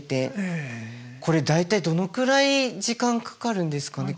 これ大体どのくらい時間かかるんですかね